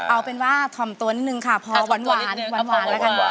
เอาเป็นว่าถ่อมตัวนิดนึงค่ะพอหวานแล้วกัน